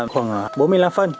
khoảng bốn mươi năm phân